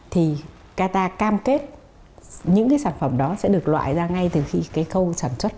thì qatar cam kết những cái sản phẩm đó sẽ được loại ra ngay từ khi cái khâu sản xuất